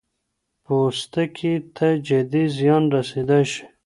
پوستکي ته جدي زیان رسېدای شي.